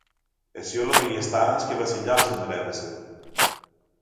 Εσύ όλο μεγιστάνες και βασιλιάδες ονειρεύεσαι